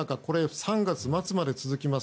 ３月末まで続きます。